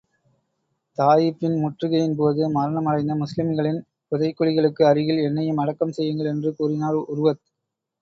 தாயிபின் முற்றுகையின் போது, மரணம் அடைந்த முஸ்லிம்களின் புதைகுழிகளுக்கு அருகில் என்னையும் அடக்கம் செய்யுங்கள் என்று கூறினார் உர்வத்.